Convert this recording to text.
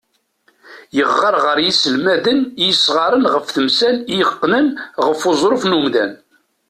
Yeɣɣar ɣer yiselmaden i yesɣran ɣef temsal i iqqnen ɣer uẓref n umdan.